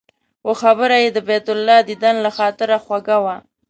خو خبره یې د بیت الله دیدن له خاطره خوږه وه.